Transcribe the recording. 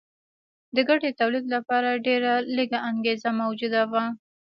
د ګټې د تولید لپاره ډېره لږه انګېزه موجوده وه